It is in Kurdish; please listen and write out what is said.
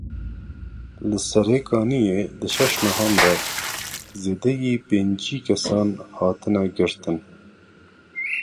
Li Serê Kaniyê di şeş mehan de zêdeyî pêncî kesan hatine girtin.